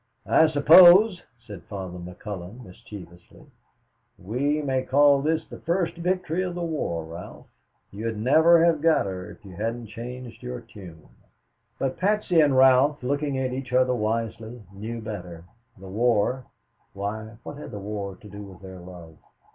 "I suppose," said Father McCullon, mischievously, "we may call this the first victory of the war, Ralph. You would never have got her if you hadn't changed your tune." But Patsy and Ralph, looking at each other wisely, knew better. The war why, what had the war to do with their love?